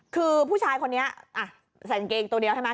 คือผู้ชายคนนี้ใส่กางเกงตัวเดียวใช่ไหม